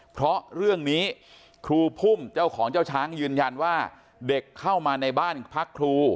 เพราะเรื่องนี้ครูพุ่มเจ้าของเจ้าช้างยืนยันว่าเด็กเข้ามาในบ้านพักครู